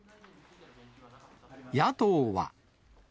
野党は。